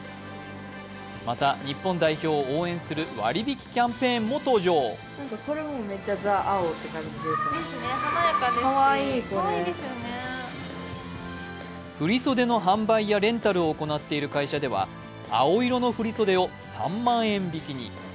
また日本代表を応援する割り引きキャンペーンも登場る振り袖の販売やレンタルを行っている会社では青色の振り袖を３万円引きに。